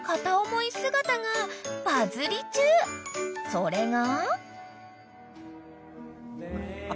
［それが］